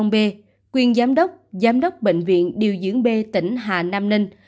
ba trăm hai mươi b quyền giám đốc giám đốc bệnh viện điều dưỡng b tỉnh hà nam ninh